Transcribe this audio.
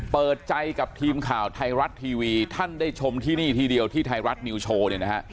เปิดใจกับทีมข่าวไทยรัฐทีวีท่านได้ชมที่นี่ทีเดียวที่ไทยรัฐนิวโชว์เนี่ยนะฮะ